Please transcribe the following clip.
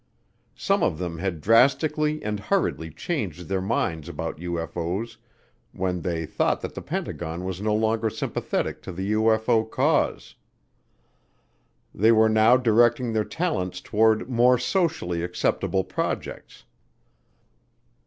Some of them had drastically and hurriedly changed their minds about UFO's when they thought that the Pentagon was no longer sympathetic to the UFO cause. They were now directing their talents toward more socially acceptable projects.